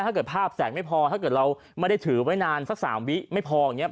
ถ้าเกิดภาพแสงไม่พอถ้าเกิดเราไม่ได้ถือไว้นานสัก๓วิไม่พออย่างนี้